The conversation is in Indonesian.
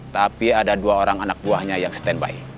tapi ada dua orang anak buahnya yang standby